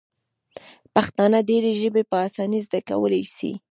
پښتانه ډیري ژبي په اسانۍ زده کولای سي.